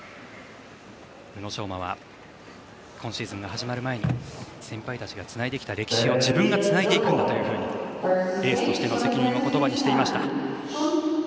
宇野昌磨は今シーズンが始まる前に先輩たちがつないできた歴史を自分がつないでいくとエースとしての責任を言葉にしていました。